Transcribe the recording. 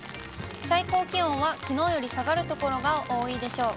最高気温はきのうより下がる所が多いでしょう。